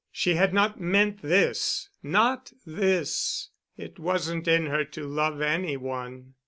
She had not meant this—not this. It wasn't in her to love any one.